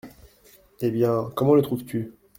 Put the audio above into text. Eh bien… comment le trouves-tu ?…